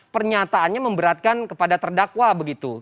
pernyataannya memberatkan kepada terdakwa begitu